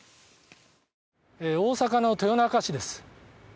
大阪の豊中市です。